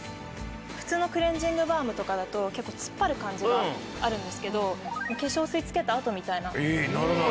普通のクレンジングバームとかだと結構突っ張る感じがあるんですけど化粧水をつけたあとみたいな保湿感。